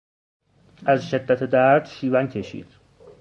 از شدت درد شیون کشید.